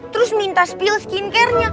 terus minta spill skincare nya